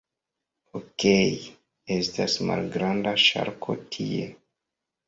Okej, estas malgranda ŝarko tie...